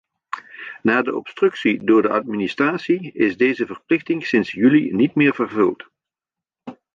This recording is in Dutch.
Na de obstructie door de administratie is deze verplichting sinds juli niet meer vervuld.